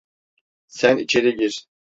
Sen içeri gir.